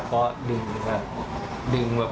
ใช่ครับผมก็คิดคิดคิดผมก็เลยหล่อของเขาอยู่